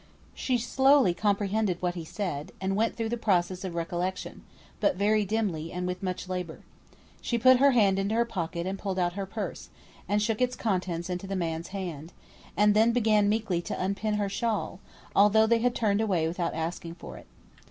She slowly comprehended what he said, and went through the process of recollection; but very dimly, and with much labour. She put her hand into her pocket and pulled out her purse, and shook its contents into the man's hand; and then began meekly to unpin her shawl, although they had turned away without asking for it.